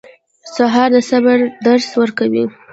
سهار د صبر درس ورکوي.